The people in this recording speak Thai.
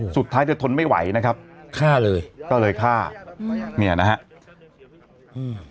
สุดท้ายเธอทนไม่ไหวนะครับฆ่าเลยก็เลยฆ่าอืมเนี่ยนะฮะอืม